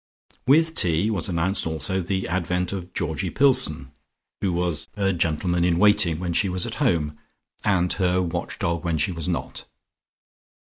With tea was announced also the advent of Georgie Pillson who was her gentleman in waiting when she was at home, and her watch dog when she was not.